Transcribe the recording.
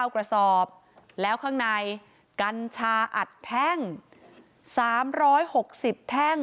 กระสอบแล้วข้างในกัญชาอัดแท่ง๓๖๐แท่ง